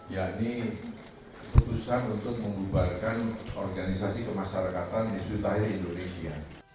ya ini keputusan untuk membubarkan organisasi kemasyarakatan hisbut tahrir indonesia